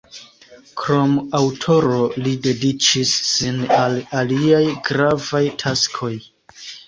Krom aŭtoro, li dediĉis sin al aliaj gravaj taskoj.